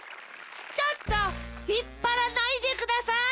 ちょっとひっぱらないでください！